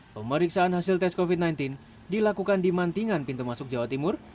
pemeriksaan hasil tes covid sembilan belas dilakukan di mantingan pintu masuk jawa timur